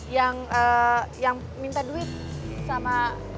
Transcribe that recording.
yang minta duit sama